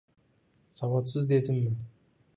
Savodsiz, desinmi?